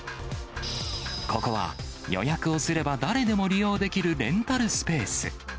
ここは予約をすれば誰でも利用できるレンタルスペース。